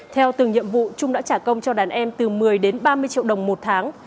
theo từng nhiệm vụ trung đã trả công cho đàn em từ một mươi đến ba mươi triệu đồng một tháng